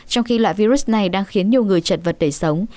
trong khi loại virus này đang khiến nhiều người chật vật đẩy sống